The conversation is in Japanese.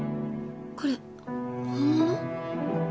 これ本物？